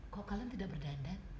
kok kalian tidak berdandan